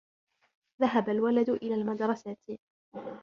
ذَهبَ الولَدُ إلى المدرَسةِ.